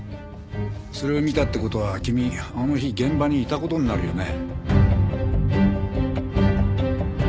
それを見たって事は君あの日現場にいた事になるよね。